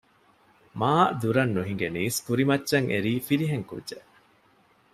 މާ ދުރަށް ނުހިނގެނީސް ކުރިމައްޗަށް އެރީ ފިރިހެން ކުއްޖެއް